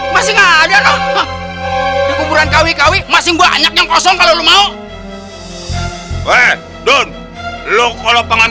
masih ada di kuburan kawi kawi masih banyak yang kosong kalau mau we don't look kalau pengen